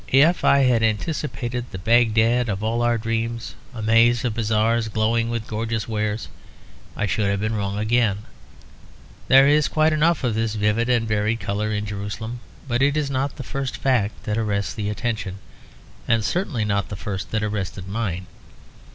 If I had anticipated the Bagdad of all our dreams, a maze of bazaars glowing with gorgeous wares, I should have been wrong again. There is quite enough of this vivid and varied colour in Jerusalem, but it is not the first fact that arrests the attention, and certainly not the first that arrested mine.